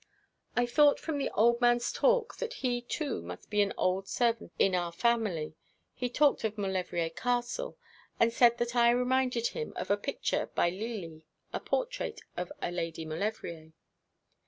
'I thought from the old man's talk that he, too, must be an old servant in our family. He talked of Maulevrier Castle, and said that I reminded him of a picture by Lely, a portrait of a Lady Maulevrier.